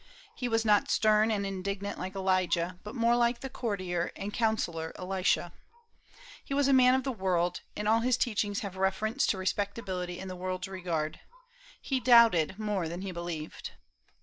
He was not stern and indignant like Elijah, but more like the courtier and counsellor Elisha. He was a man of the world, and all his teachings have reference to respectability in the world's regard. He doubted more than he believed.